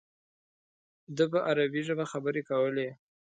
ده په عربي ژبه خبرې کولې.